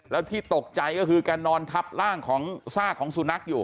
แล้วที่ตกใจก็คือแกนอนทับร่างของซากของสุนัขอยู่